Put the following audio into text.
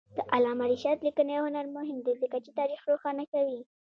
د علامه رشاد لیکنی هنر مهم دی ځکه چې تاریخ روښانه کوي.